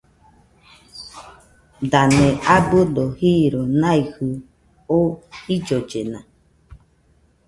Dane abɨdo jiro naijɨ oo jillollena.